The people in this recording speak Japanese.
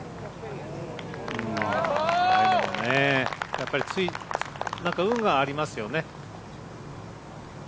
やっぱり運がありますよね。